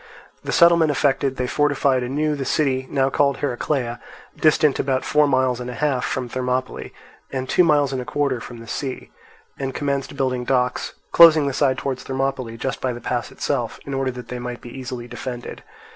The settlement effected, they fortified anew the city, now called Heraclea, distant about four miles and a half from Thermopylae and two miles and a quarter from the sea, and commenced building docks, closing the side towards Thermopylae just by the pass itself, in order that they might be easily defended.